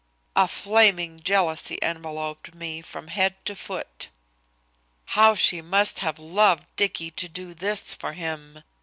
A flaming jealousy enveloped me from head to foot. "How she must have loved Dicky to do this for him!"